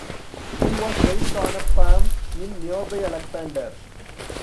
He was raised on a farm in nearby Alexander.